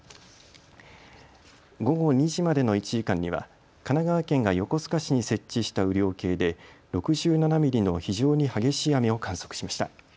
午後２時までの１時間には、神奈川県が横須賀市に設置した雨量計で６７ミリの非常に激しい雨を観測しました。